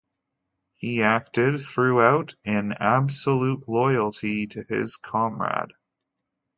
He acted throughout in absolute loyalty to his comrade.